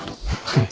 はい。